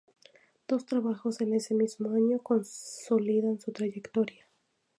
Dos trabajos en ese mismo año consolidan su trayectoria.